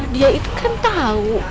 dia itu kan tau